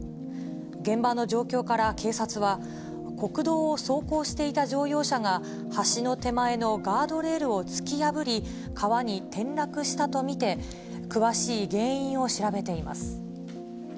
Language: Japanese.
現場の状況から警察は、国道を走行していた乗用車が、橋の手前のガードレールを突き破り、川に転落したと見て、詳しい原因を調べ